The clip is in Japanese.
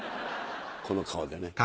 この顔でね。